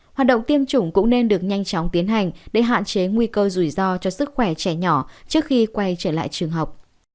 hoạt động tiêm chủng cũng nên được nhanh chóng tiến hành để hạn chế nguy cơ rủi ro cho sức khỏe trẻ nhỏ trước khi quay trở lại trường học